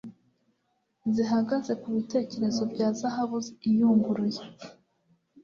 zihagaze ku bitereko bya zahabu iyunguruye